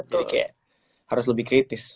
jadi kayak harus lebih kritis